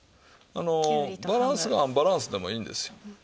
バランスがアンバランスでもいいんですよ。